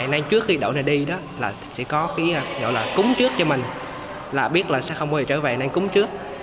nên trước khi đảo này đi đó là sẽ có cái gọi là cúng trước cho mình là biết là sao không có người trở về nên cúng trước